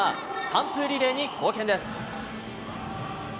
完封リレーに貢献です。